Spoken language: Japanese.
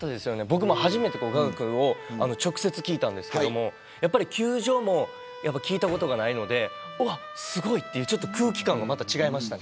僕も初めて雅楽を直接聞いたんですけど球場も聞いたことがないのでうわっ、すごいという空気感が違いましたね。